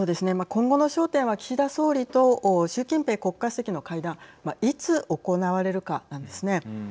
今後の焦点は岸田総理と習近平国家主席の会談いつ行われるかなんですね。